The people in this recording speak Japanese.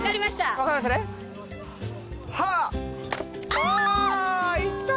あいった！